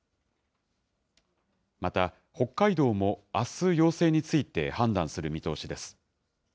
また北海道もあす要請について判断する見通しです。